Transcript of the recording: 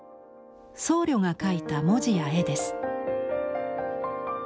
僧侶が書いた文字や絵です。